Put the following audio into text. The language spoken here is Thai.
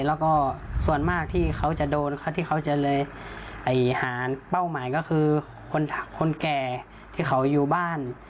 แล้วก็ส่วนมากที่เขาจะโดนที่เขาจะเลยหาเป้าหมายก็คือคนแก่ที่เขาอยู่บ้าน